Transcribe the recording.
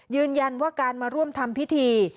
ยืนยันว่าการมาร่วมทำพิธี